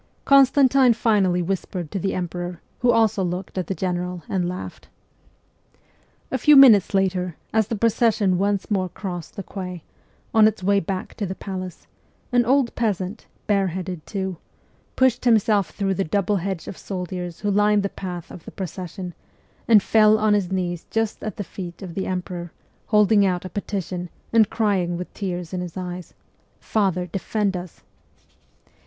Constantine finally whispered to the emperor, who also looked at the general and laughed. A few minutes later, as the procession once more crossed the quay, on its way back to the palace, an old peasant, bareheaded too, pushed himself through the double hedge of soldiers who lined the path of the pro cession, and fell on his knees just at the feet of the emperor, holding out a petition, and crying with tears in his eyes, ' Father, defend us